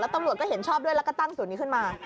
ตำรวจก็เห็นชอบด้วยแล้วก็ตั้งศูนย์นี้ขึ้นมา